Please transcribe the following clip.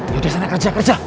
yaudah sana kerja kerja